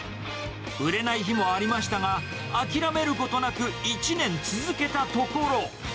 売れない日もありましたが、諦めることなく１年続けたところ。